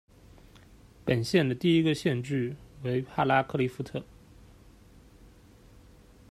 本县的第一个县治为帕拉克利夫特。